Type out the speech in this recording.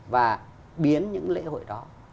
và biến những lễ hội đó